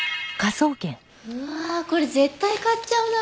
うわこれ絶対買っちゃうな！